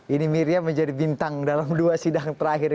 ini miriam menjadi bintang dalam dua sidang terakhir